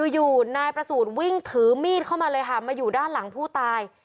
อยู่นายประสูจน์วิ่งถือมีดเข้ามาเลยค่ะมาอยู่ด้านหลังผู้ตาย